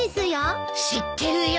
知ってるよ。